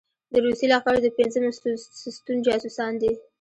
د روسي لښکرو د پېنځم ستون جاسوسان دي.